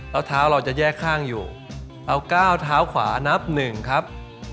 แล้วเท้าเราจะแยกข้างอยู่เอาก้าวเท้าขวานับหนึ่งครับ